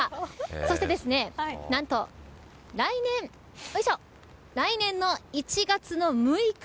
そして何と、来年の１月６日。